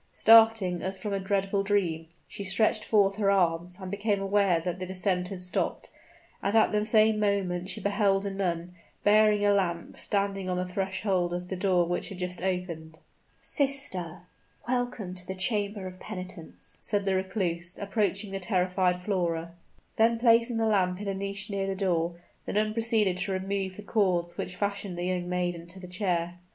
Starting as from a dreadful dream, she stretched forth her arms, and became aware that the descent had stopped; and at the same moment she beheld a nun, bearing a lamp, standing on the threshold of the door which had just opened. "Sister, welcome to the chamber of penitence!" said the recluse, approaching the terrified Flora. Then, placing the lamp in a niche near the door, the nun proceeded to remove the cords which fastened the young maiden to the chair.